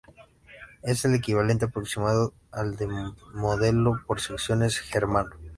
Es el equivalente aproximado al de modelo por secciones germano.